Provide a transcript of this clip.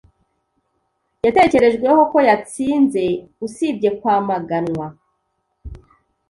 yatekerejweho ko yatsinze usibye kwamaganwa